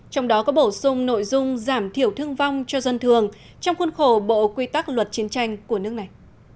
trong đó có bổ sung nội dung giảm thiểu thương vong cho dân thường trong khuôn khổ bộ quy tắc luật chiến tranh của nước này